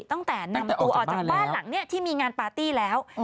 ตั้งแต่นำตัวออกจากบ้านหลังนี้ที่มีงานปาร์ตี้แล้ว